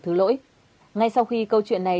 thứ lỗi ngay sau khi câu chuyện này